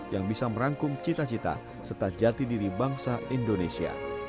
yang bisa merangkum cita cita serta jati diri bangsa indonesia